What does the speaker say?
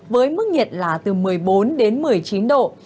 với mức nhiệt là từ một mươi bốn đến một mươi chín độ